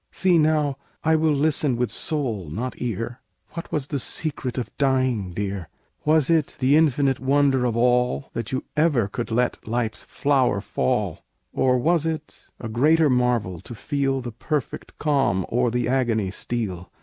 "See, now; I will listen with soul, not ear: What was the secret of dying, dear? "Was it the infinite wonder of all That you ever could let life's flower fall? "Or was it a greater marvel to feel The perfect calm o'er the agony steal?